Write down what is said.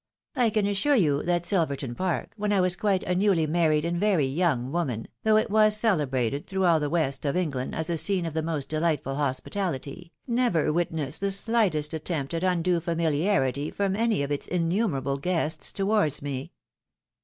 I can assure you that Silverton park, when I was quite a newly married and very young woman, though it was celebrated through aU the west of England as a scene of the most dehghtful hospitaUty, never witnessed the slightest attempt at midue familiarity from any of its innumerable guests towards me."